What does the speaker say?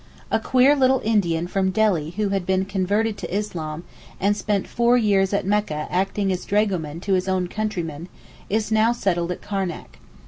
A queer little Indian from Delhi who had been converted to Islam, and spent four years at Mecca acting as dragoman to his own countrymen, is now settled at Karnac.